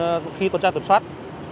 trong khi tuần tra tuần soát